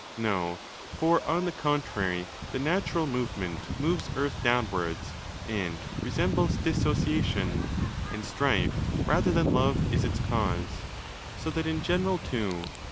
No: for, on the contrary, the 'natural movement' moves Earth downwards and resembles 'dissociation', and Strife rather than Love is its cause—so that in general, too.